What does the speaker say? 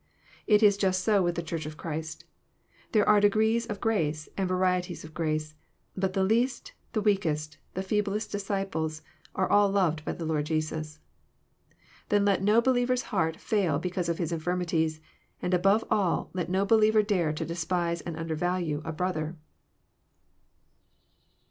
It is just so with the Church of Christ. There are degrees of grace, and varieties of grace ; but the least, the weakest, the feeblest disciples are all loved by the Lord Jesus. Then let no believer's heart fail because of his infirmities ; and, above all, let no believer dare to despise and undervalue a brother.